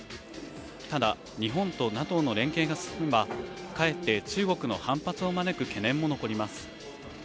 ただ、日本とＮＡＴＯの連携が進めば返って中国の反発を招く懸念も残ります。